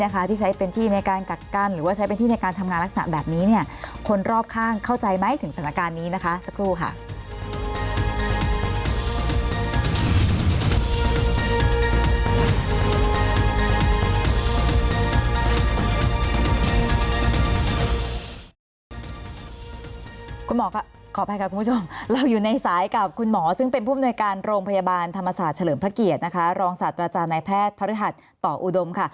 ขออภัยค่ะคุณผู้ชมเราอยู่ในสายกับคุณหมอซึ่งเป็นผู้อำนวยการโรงพยาบาลธรรมศาสตร์เฉลิมพระเกียรตินะคะรองศาสตราจารย์นายแพทย์พระฤหัสต่ออุดมค่ะ